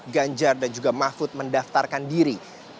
ganjar dan juga mahfud mendaftarkan diri